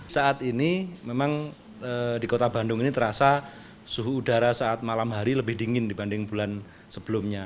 saat ini memang di kota bandung ini terasa suhu udara saat malam hari lebih dingin dibanding bulan sebelumnya